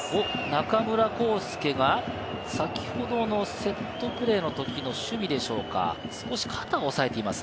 中村航輔が先ほどのセットプレーのときの守備でしょうか、少し肩を押さえています。